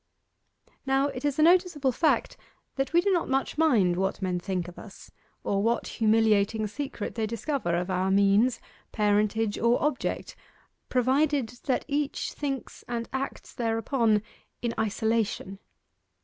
Now it is a noticeable fact that we do not much mind what men think of us, or what humiliating secret they discover of our means, parentage, or object, provided that each thinks and acts thereupon in isolation.